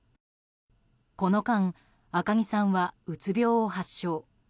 この間、赤木さんはうつ病を発症。